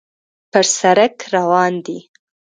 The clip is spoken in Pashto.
پر سړک روان دی.